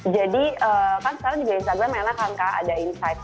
jadi kan sekarang di instagram memang kak ada insight